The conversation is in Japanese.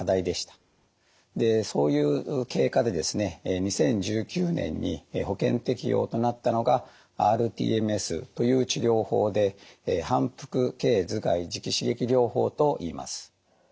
でそういう経過で２０１９年に保険適用となったのがｒＴＭＳという治療法で反復経頭蓋磁気刺激療法といいます。